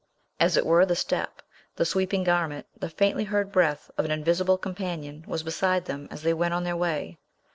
As it were, the step, the sweeping garment, the faintly heard breath, of an invisible companion, was beside them, as they went on their way.